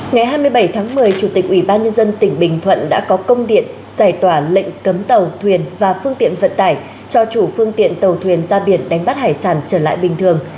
ngày hai mươi bảy tháng một mươi chủ tịch ủy ban nhân dân tỉnh bình thuận đã có công điện giải tỏa lệnh cấm tàu thuyền và phương tiện vận tải cho chủ phương tiện tàu thuyền ra biển đánh bắt hải sản trở lại bình thường